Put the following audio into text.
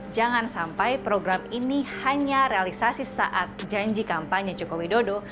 jangan sampai program ini hanya realisasi saat janji kampanye joko widodo